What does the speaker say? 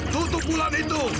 tutup bulan itu